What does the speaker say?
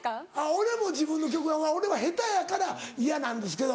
俺も自分の曲俺は下手やから嫌なんですけど。